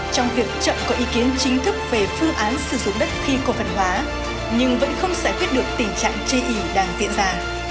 trong việc chậm có ý kiến chính thức về phương án sử dụng đất khi cổ phần hóa nhưng vẫn không giải quyết được tình trạng chê ý đang diễn ra